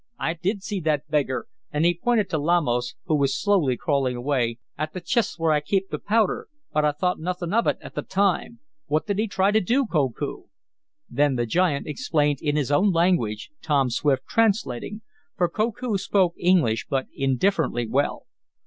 "I did see that beggar." and he pointed to Lamos, who was slowly crawling away, "at the chist where I kape th' powder, but I thought nothin' of it at th' time. What did he try t' do, Koku?" Then the giant explained in his own language, Tom Swift translating, for Koku spoke English but indifferently well.